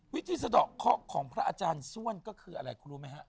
วิธีสะดอกของพระอาจารย์ส้วนก็คืออะไรครูรู้มั้ยฮะ